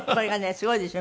すごいですよ